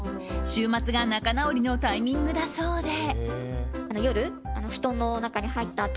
週末が仲直りのタイミングだそうで。